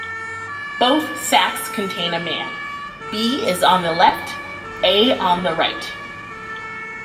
Both sacks contain a man; B is on the left, A on the right.